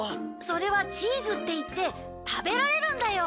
それはチーズっていって食べられるんだよ。